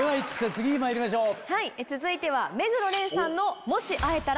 次にまいりましょう。